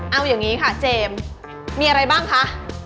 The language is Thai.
เอาอย่างนี้ค่ะเจมส์มีอะไรบ้างคะ